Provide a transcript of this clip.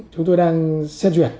chúng tôi đang xét duyệt